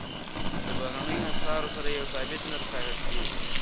د بهرنیو اسعارو سره یو ثابت نرخ ټاکل کېږي.